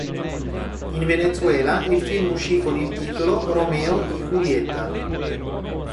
In Venezuela, il film uscì con il titolo "Romeo y Julieta".